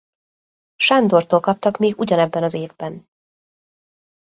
Sándortól kaptak még ugyanebben az évben.